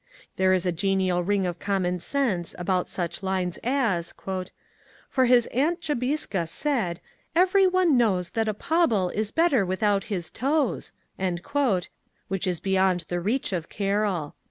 There is a genial ring of common sense about such lines as, " For his aunt Jobiska said * Every one knows That a Pebble is better without his toes,' " which is beyond the reach of Carroll.